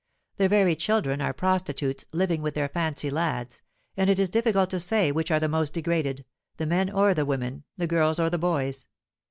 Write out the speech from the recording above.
The very children are prostitutes, living with their "fancy lads;" and it is difficult to say which are the most degraded, the men or the women, the girls or the boys.